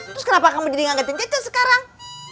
terus kenapa kamu jadi ngagetin cece sekarang